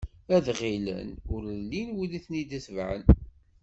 Ad ɣellin ur illi win i ten-id-itebɛen.